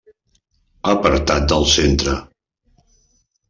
Apartat del centre.